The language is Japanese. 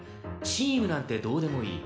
「チームなんてどうでもいい。